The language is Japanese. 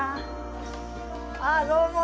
あっどうもです